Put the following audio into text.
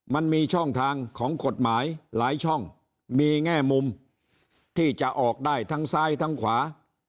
มันมีช่องทางของกฎหมายหลายช่องมีแง่มุมที่จะออกได้ทั้งซ้ายทั้งขวา